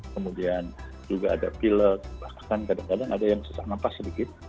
kemudian juga ada pilek bahkan kadang kadang ada yang sesak nafas sedikit